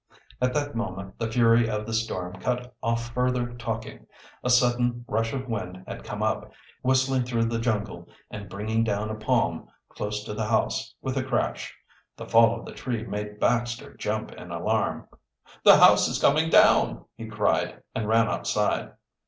At that moment the fury of the storm cut off further talking. A sudden rush of wind had come up, whistling through the jungle and bringing down a palm close to the house with a crash. The fall of the tree made Baxter jump in alarm. "The house is coming down!" he cried, and ran outside.